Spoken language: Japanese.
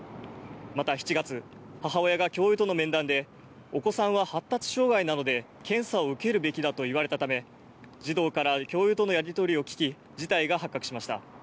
また７月、母親が教諭との面談で、お子さんは発達障がいなので、検査を受けるべきだと言われたため、児童から教諭とのやり取りを聞き、事態が発覚しました。